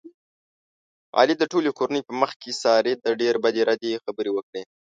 علي د ټولې کورنۍ په مخ کې سارې ته ډېرې بدې ردې خبرې وکړلې.